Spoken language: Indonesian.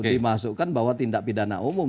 dimasukkan bahwa tindak pidana umum